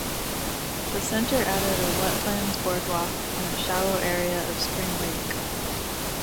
The center added a Wetlands Boardwalk in a shallow area of Spring Lake.